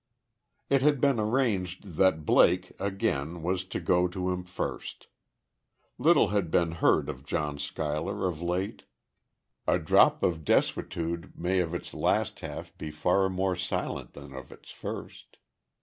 It had been arranged that Blake, again, was to go to him first. Little had been heard of John Schuyler, of late. A drop to desuetude may of its last half be far more silent than of its first.